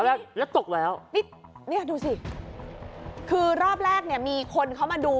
แรกแล้วตกแล้วนี่เนี่ยดูสิคือรอบแรกเนี่ยมีคนเขามาดู